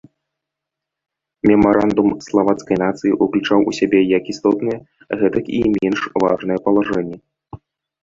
Мемарандум славацкай нацыі ўключаў у сябе як істотныя, гэтак і менш важныя палажэнні.